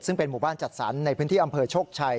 ซึ่งเป็นหมู่บ้านจัดสรรในพื้นที่อำเภอโชคชัย